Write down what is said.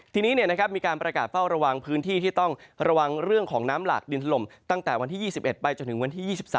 ทีนี้มีการประกาศเฝ้าระวังพื้นที่ที่ต้องระวังเรื่องของน้ำหลากดินถล่มตั้งแต่วันที่๒๑ไปจนถึงวันที่๒๓